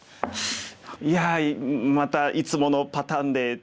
いやまたいつものパターンでというか。